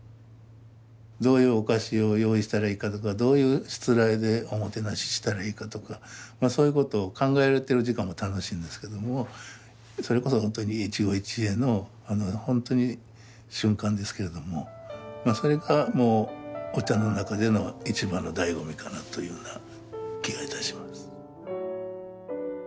どういうお菓子を用意したらいいかとかどういうしつらえでおもてなししたらいいかとかそういうことを考えてる時間も楽しいんですけどもそれこそ本当に一期一会の本当に瞬間ですけれどもそれがお茶の中での一番の醍醐味かなというふうな気が致します。